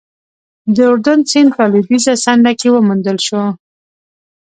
د اردون سیند په لوېدیځه څنډه کې وموندل شول.